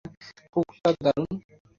কুকুরটা তো দারুণ!